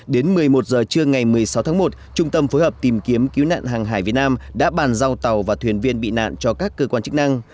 đến một mươi một giờ trưa ngày một mươi sáu tháng một trung tâm phối hợp tìm kiếm cứu nạn hàng hải việt nam đã bàn giao tàu và thuyền viên bị nạn cho các cơ quan chức năng